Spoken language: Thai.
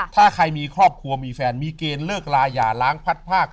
ถ้าใครมีครอบครัวมีแฟนมีเกณฑ์เลิกลาอย่าล้างพัดภาค